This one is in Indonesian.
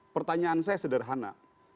pertanyaan saya sederhana